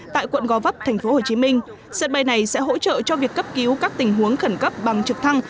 tại quận gò vấp tp hcm sân bay này sẽ hỗ trợ cho việc cấp cứu các tình huống khẩn cấp bằng trực thăng